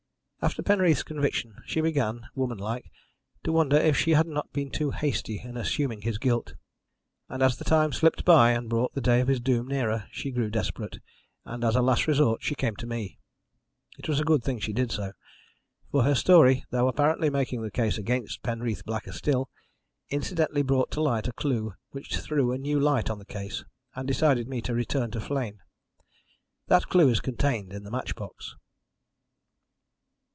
"After Penreath's conviction she began, womanlike, to wonder if she had not been too hasty in assuming his guilt, and as the time slipped by and brought the day of his doom nearer she grew desperate, and as a last resource she came to me. It was a good thing she did so. For her story, though apparently making the case against Penreath blacker still, incidentally brought to light a clue which threw a new light on the case and decided me to return to Flegne. That clue is contained in the match box."